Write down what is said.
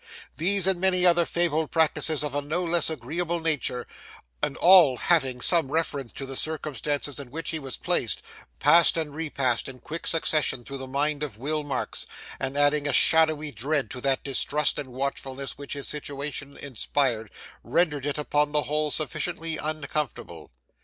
These, and many other fabled practices of a no less agreeable nature, and all having some reference to the circumstances in which he was placed, passed and repassed in quick succession through the mind of Will Marks, and adding a shadowy dread to that distrust and watchfulness which his situation inspired, rendered it, upon the whole, sufficiently uncomfortable.